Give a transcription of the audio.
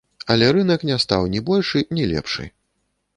Але рынак не стаў ні большы, ні лепшы.